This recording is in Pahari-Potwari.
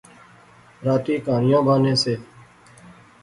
راتیں کہانیاں بانے سے